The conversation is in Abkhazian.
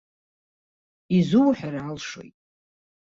Изуҳәар алшоит.